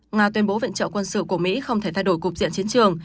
nga tuyên bố viện trợ quân sự của mỹ không thể thay đổi cục diện chiến trường